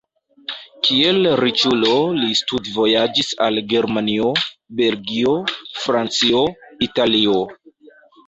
Kiel riĉulo li studvojaĝis al Germanio, Belgio, Francio, Italio.